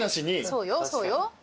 そうよそうよ。